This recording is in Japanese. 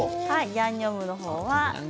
ヤンニョムの方は。